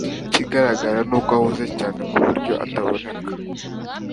Ikigaragara ni uko ahuze cyane ku buryo atakubona